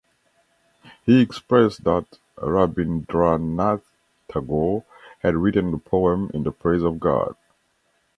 He expressed that Rabindranath Tagore had written the poem in the praise of God.